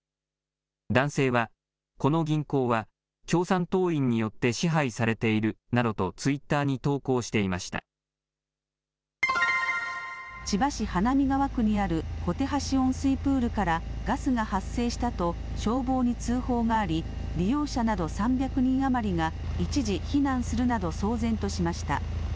男性はこの銀行は共産党員によって支配されているなどと千葉市花見川区にあるこてはし温水プールからガスが発生したと消防に通報があり利用者など３００人余りが一時避難するなど騒然としました。